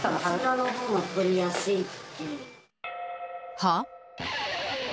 は？